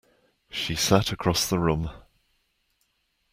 She sat across the room.